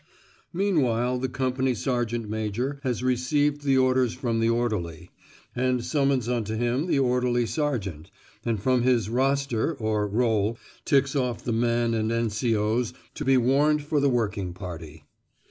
Meanwhile the company sergeant major has received the orders from the orderly, and summons unto him the orderly sergeant, and from his "roster," or roll, ticks off the men and N.C.O.'s to be warned for the working party.